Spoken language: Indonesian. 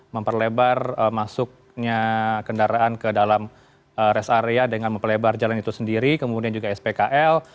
memperlebar masuknya kendaraan ke dalam rest area dengan memperlebar jalan itu sendiri kemudian juga spkl